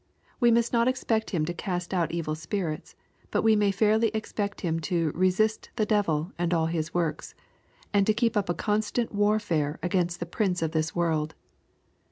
We must not ex pect him to cast out evil spirits, but we may fairly expect him to " resist the devil and all his works,'* and to keep up a constant warfare against the prince of this world.